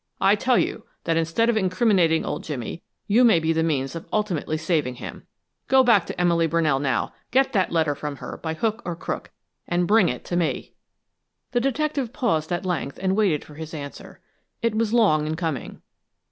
I tell you that instead of incriminating old Jimmy, you may be the means of ultimately saving him. Go back to Emily Brunell now, get that letter from her by hook or crook, and bring it to me." The detective paused at length and waited for his answer. It was long in coming.